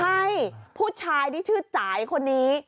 ใช่ผู้ชายที่ชื่อจ่ายคนนี้